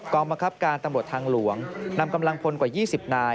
กมคตำรวจทางหลวงนำกำลังพลกว่า๒๐นาย